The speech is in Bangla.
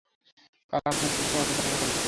কাল আপনার সাথে আবার দেখা করবো।